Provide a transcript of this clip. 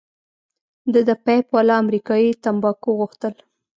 ده د پیپ والا امریکايي تمباکو غوښتل.